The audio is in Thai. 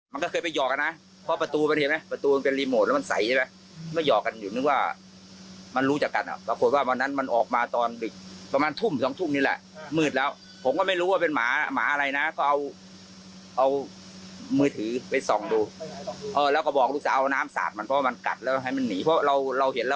มันก็เคยไปหอกอ่ะนะเพราะประตูมันเห็นไหมประตูมันเป็นรีโมทแล้วมันใสใช่ไหมไม่หอกกันอยู่นึกว่ามันรู้จักกันอ่ะปรากฏว่าวันนั้นมันออกมาตอนดึกประมาณทุ่มสองทุ่มนี่แหละมืดแล้วผมก็ไม่รู้ว่าเป็นหมาหมาอะไรนะก็เอาเอามือถือไปส่องดูเออแล้วก็บอกลูกสาวเอาน้ำสาดมันเพราะมันกัดแล้วให้มันหนีเพราะเราเราเห็นแล้ว